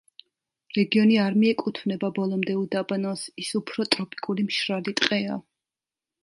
რეგიონი არ მიეკუთვნება ბოლომდე უდაბნოს, ის უფრო ტროპიკული მშრალი ტყეა.